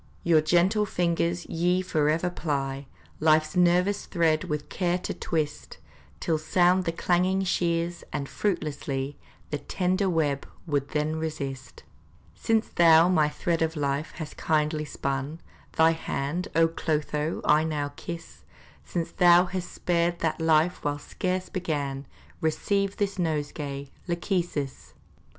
Your gentle fingers ye forever ply, Life's nervous thread with care to twist, Till sound the clanging shears, and fruitlessly The tender web would then resist. Since thou my thread of life hast kindly spun, Thy hand, O Clotho, I now kiss! Since thou hast spared that life whilst scarce begun, Receive this nosegay, Lachesis!